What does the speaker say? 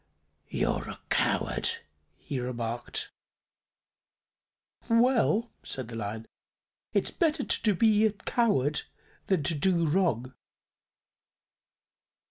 "You're a coward," he remarked. "Well," said the Lion, "it's better to be a coward than to do wrong."